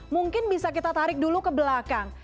mungkin bisa kita tarik dulu ke belakang